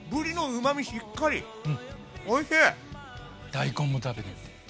大根も食べてみて。